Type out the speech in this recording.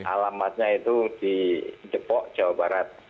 alamatnya itu di depok jawa barat